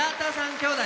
きょうだい。